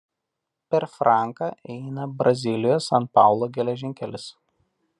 Per Franką eina Brazilijos–San Paulo geležinkelis.